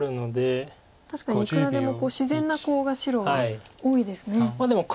確かにいくらでも自然なコウが白は多いですね。